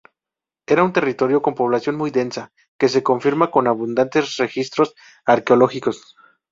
Era un territorio con población muy densa, que se confirma con abundantes registros arqueológicos.